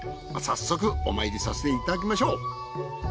早速お参りさせていただきましょう。